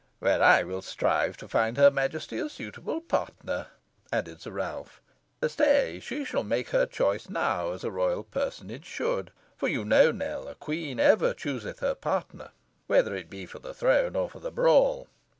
"Where I will strive to find her majesty a suitable partner," added Sir Ralph. "Stay, she shall make her choice now, as a royal personage should; for you know, Nell, a queen ever chooseth her partner, whether it be for the throne or for the brawl.